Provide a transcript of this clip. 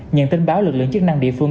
nhận tin báo lực lượng chức năng địa phương